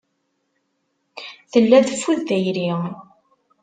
Tella teffud tayri.